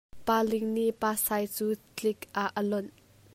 Pa Ling nih Pa Sai cu tlik ah a lonh.